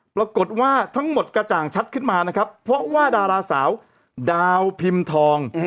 ปรากฏว่าทั้งหมดกระจ่างชัดขึ้นมานะครับเพราะว่าดาราสาวดาวพิมพ์ทอง